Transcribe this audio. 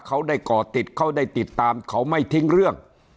เขาได้ก่อติดเขาได้ติดตามเขาไม่ทิ้งเรื่อง